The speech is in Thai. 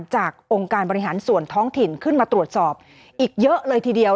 องค์การบริหารส่วนท้องถิ่นขึ้นมาตรวจสอบอีกเยอะเลยทีเดียว